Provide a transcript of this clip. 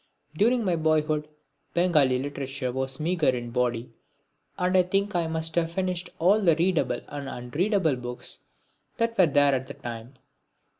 During my boyhood Bengali literature was meagre in body, and I think I must have finished all the readable and unreadable books that there were at the time.